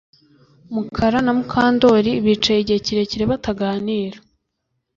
Mukara na Mukandoli bicaye igihe kirekire bataganira